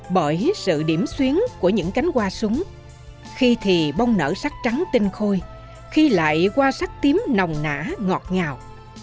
bởi sự điểm xuyến của những cánh hoa súng khi thì bông nở sắc trắng tinh khôi khi lại qua sắc tím nồng nả ngọt ngào